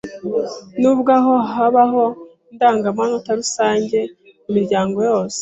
Nubwo aho habaho indangamanota rusange imiryango yose